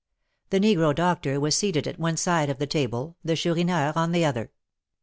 The negro doctor was seated at one side of the table, the Chourineur on the other.